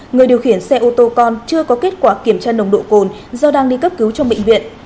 người điều khiển xe ô tô con chưa có kết quả kiểm tra nồng độ cồn do đang đi cấp cứu trong bệnh viện